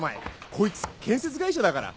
こいつ建設会社だから。